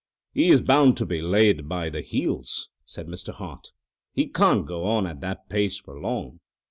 "He is bound to be laid by the heels," said Mr. Hart. "He can't go on at that pace for long."